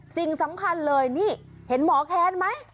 สิ่งสำคัญเลยนี่เห็นหมอแค้นไหม